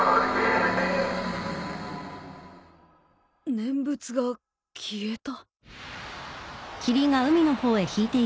念仏が消えた？